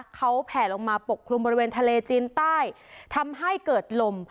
เขาแผ่ลงมาปกคลุมบริเวณทะเลจีนใต้ทำให้เกิดลม